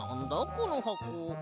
このはこ。